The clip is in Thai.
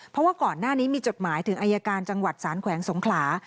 เพราะว่าก่อนหน้านี้มีจดหมายถึงอายการจังหวัดสารแขวงสงขลา